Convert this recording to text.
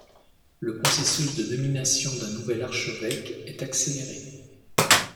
Le processus de nomination d'un nouvel archevêque est accéléré.